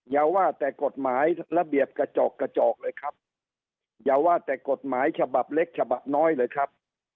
อย่าว่าแต่กฎหมายระเบียบกระจอกกระจอกเลยครับอย่าว่าแต่กฎหมายฉบับเล็กฉบับน้อยเลยครับ